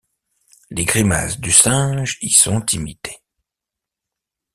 Les grimaces du singe y sont imitées.